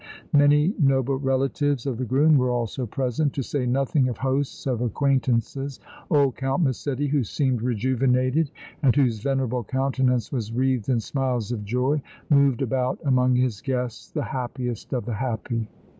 Many noble relatives of the groom were also present, to say nothing of hosts of acquaintances. Old Count Massetti, who seemed rejuvenated and whose venerable countenance was wreathed in smiles of joy, moved about among his guests the happiest of the happy.